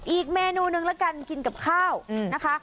อีกเมนูนึงละกันกินกับข้าวนะคะ